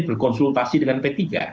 berkonsultasi dengan p tiga